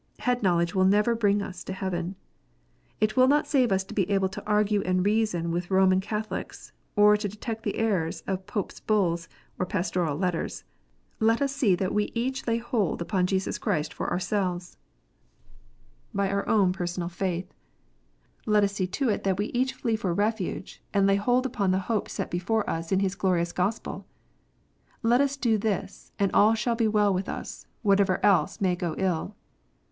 Head knowledge will never bring us to heaven. It will not save us to be able to argue and reason with Roman Catholics, or to detect the errors of Popes Bulls, or Pastoral Letters. Let us see that we each lay hold upon Jesus Christ for PRIVATE JUDGMENT. 61 ourselves, by our own personal faith. Let us see to it that we each flee for refuge, and lay hold upon the hope set before us in His glorious Gospel. Let us do this, and all shall be well with us, whatever else may go ill.